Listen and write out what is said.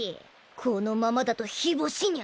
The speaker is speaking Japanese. このままだと干ぼしニャ。